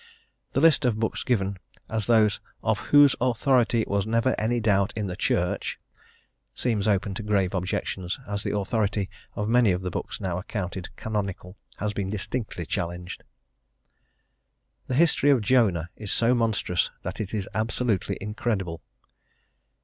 The list of books given as those "of whose authority was never any doubt in the Church" seems open to grave objections, as the authority of many of the books now accounted canonical has been distinctly challenged. "The history of Jonah is so monstrous that it is absolutely incredible."